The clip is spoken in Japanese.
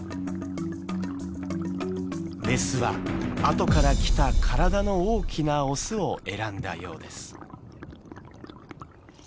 メスは後から来た体の大きなオスを選んだようです。